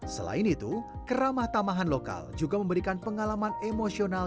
selain itu keramah tamahan lokal juga memberikan pengalaman emosional